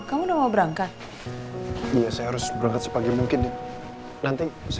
mas kamu mau berangkat iya saya harus berangkat sepagi mungkin nanti saya